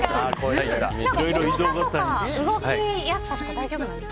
重さとか動きやすさとか大丈夫なんですか？